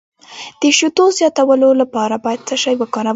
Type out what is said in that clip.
د شیدو زیاتولو لپاره باید څه شی وکاروم؟